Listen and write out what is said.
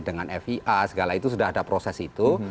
dengan fia segala itu sudah ada proses itu